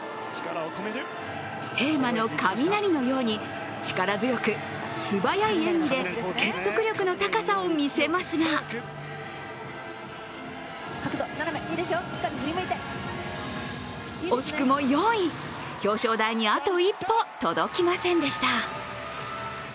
テーマの「雷」のように力強く素早い演技で結束力の高さをみせますが惜しくも４位、表彰台にあと一歩届きませんでした。